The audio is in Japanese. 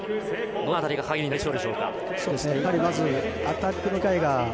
どの辺りが鍵になりそうでしょうか。